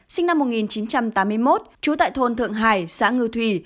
sinh năm một nghìn chín trăm tám mươi một trú tại thôn thượng hải xã ngư thủy